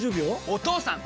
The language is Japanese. お義父さん！